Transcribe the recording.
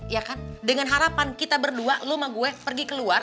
ya kan dengan harapan kita berdua lo sama gue pergi keluar